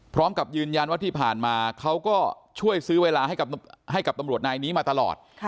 พร้อมกับยืนยันว่าที่ผ่านมาเขาก็ช่วยซื้อเวลาให้กับตำรวจนายนี้มาตลอด